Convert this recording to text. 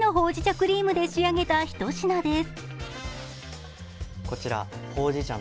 クリームで仕上げた一品です。